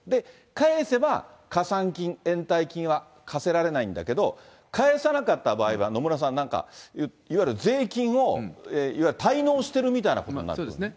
返せば、加算金、延滞金は、科せられないんだけれども、返さなかった場合は、野村さん、なんかいわゆる税金を、いわゆる滞納してそうですね。